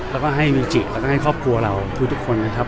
แล้วก็ให้เมจิแล้วก็ให้ครอบครัวเราทุกคนนะครับ